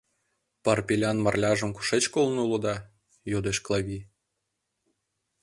— Парпилян Марляжым кушеч колын улыда? — йодеш Клави.